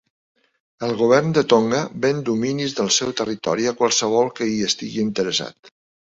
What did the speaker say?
El govern de Tonga ven dominis del seu territori a qualsevol que hi estigui interessat.